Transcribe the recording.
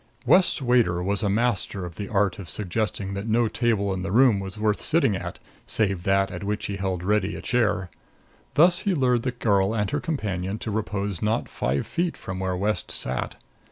West's waiter was a master of the art of suggesting that no table in the room was worth sitting at save that at which he held ready a chair. Thus he lured the girl and her companion to repose not five feet from where West sat.